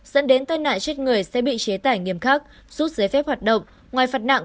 dẫn đến tên nạn chết người sẽ bị chế tải nghiêm khắc rút giấy phép hoạt động